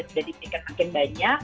sudah dipikir makin banyak